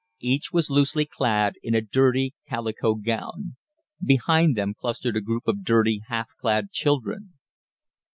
Each was loosely clad in a dirty calico gown. Behind them clustered a group of dirty, half clad children.